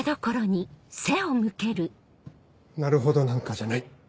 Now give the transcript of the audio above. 「なるほど」なんかじゃない。